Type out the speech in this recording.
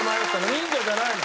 忍者じゃないの？